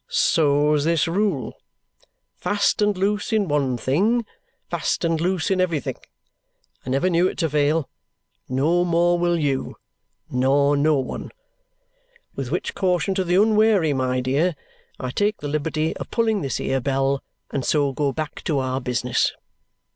So's this rule. Fast and loose in one thing, fast and loose in everything. I never knew it fail. No more will you. Nor no one. With which caution to the unwary, my dear, I take the liberty of pulling this here bell, and so go back to our business."